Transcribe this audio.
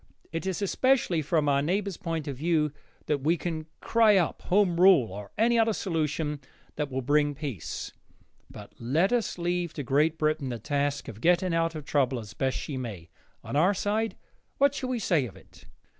It is especially from our neighbor's point of view that we can cry up Home Rule or any other solution that will bring peace. But let us leave to Great Britain the task of getting out of trouble as best she may. On our side, what shall we say of it?